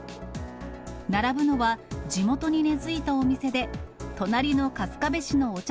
並ぶのは、地元に根づいたお店で、隣の春日部市のお茶